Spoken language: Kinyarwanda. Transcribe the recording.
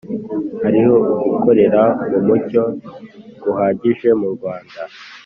Hariho ugukorera mu mucyo guhagije mu Rwanda